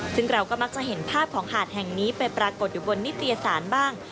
ซึ่งเราก็มักจะเห็นภาพของหาดแห่งนี้ไปปรากฏอยู่บนนิตยสารบ้าง